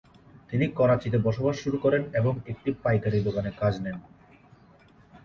তিনি করাচিতে বসবাস শুরু করেন এবং একটি পাইকারি দোকানে কাজ নেন।